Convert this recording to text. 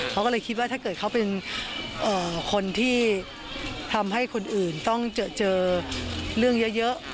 เขาก็เลยคิดว่าถ้าเกิดเขาเป็นคนที่ทำให้คนอื่นต้องเจอเรื่องเยอะ